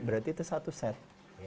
berarti itu satu set